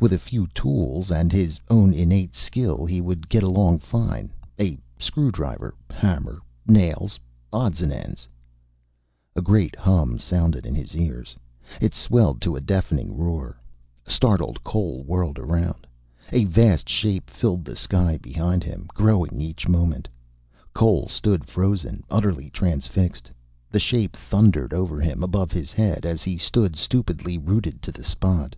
With a few tools and his own innate skill he would get along fine. A screwdriver, hammer, nails, odds and ends A great hum sounded in his ears. It swelled to a deafening roar. Startled, Cole whirled around. A vast shape filled the sky behind him, growing each moment. Cole stood frozen, utterly transfixed. The shape thundered over him, above his head, as he stood stupidly, rooted to the spot.